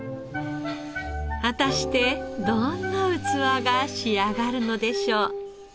果たしてどんな器が仕上がるのでしょう？